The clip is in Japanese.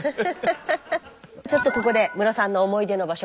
ちょっとここでムロさんの思い出の場所